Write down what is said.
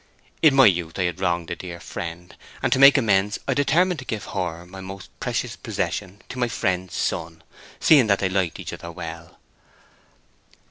In my youth I had wronged my dead friend, and to make amends I determined to give her, my most precious possession, to my friend's son, seeing that they liked each other well.